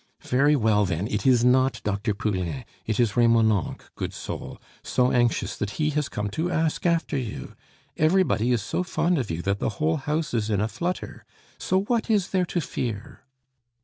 Very well, then, it is not Dr. Poulain, it is Remonencq, good soul, so anxious that he has come to ask after you! Everybody is so fond of you that the whole house is in a flutter. So what is there to fear?"